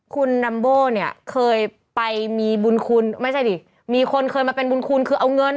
คุณนัมโบ้เนี่ยเคยไปมีบุญคุณไม่ใช่ดิมีคนเคยมาเป็นบุญคุณคือเอาเงิน